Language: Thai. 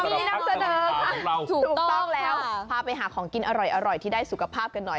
มีน้ำเสนอถูกต้องค่ะพาไปหาของกินอร่อยที่ได้สุขภาพกันหน่อย